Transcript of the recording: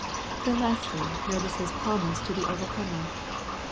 Then lastly notice His promise to the over comer.